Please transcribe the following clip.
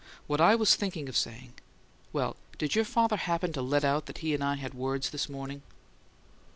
What I was thinking of saying well, did your father happen to let out that he and I had words this morning?"